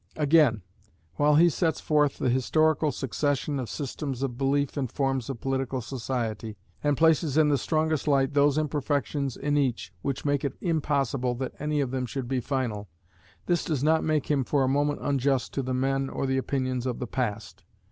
Again, while he sets forth the historical succession of systems of belief and forms of political society, and places in the strongest light those imperfections in each which make it impossible that any of them should be final, this does not make him for a moment unjust to the men or the opinions of the past.